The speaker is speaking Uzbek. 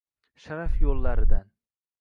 Sharaf yo’llaridan